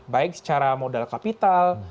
baik secara modal kapital